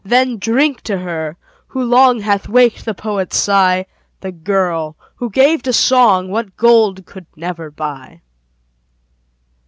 Then drink to her, who long Hath waked the poet's sigh, The girl, who gave to song What gold could never buy.